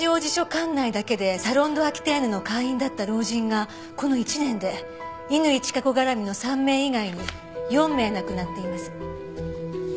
管内だけでサロン・ド・アキテーヌの会員だった老人がこの１年で乾チカ子絡みの３名以外に４名亡くなっています。